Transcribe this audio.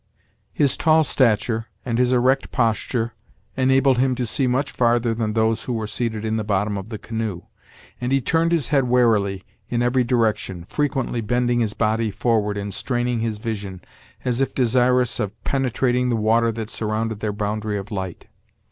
His tall stature, and his erect posture, enabled him to see much farther than those who were seated in the bottom of the canoe; and he turned his head warily in every direction, frequently bending his body forward, and straining his vision, as if desirous of penetrating the water that surrounded their boundary of light.